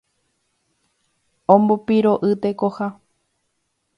Ombopiro'y tekoha